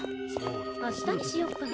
あしたにしよっかな。